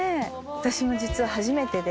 私も実は初めてで。